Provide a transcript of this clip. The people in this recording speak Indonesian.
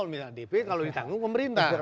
misalnya dp kalau ditanggung pemerintah